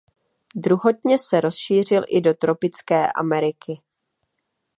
Druhotně se rozšířil i do tropické Ameriky.